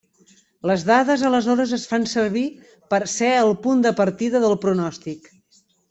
Les dades aleshores es fan servir per a ser el punt de partida del pronòstic.